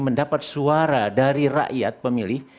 mendapat suara dari rakyat pemilih